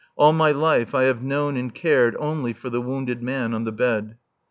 All my life I have known and cared only for the wounded man on the bed.